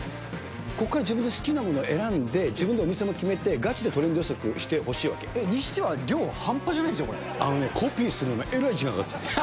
ここから自分で好きなものを選んで、自分でお店も決めて、ガチでトレンド予測してほしいわにしては量、半端じゃないであのね、コピーするのえらい時間かかった。